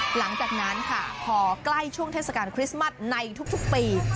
หลังจากนั้นค่ะพอใกล้ช่วงเทศกาลคริสต์มัสในทุกปี